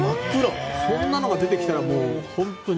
そんなのが出てきたら本当に。